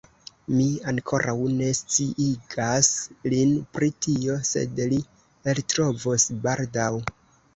Mi ankoraŭ ne sciigas lin pri tio sed li eltrovos baldaŭ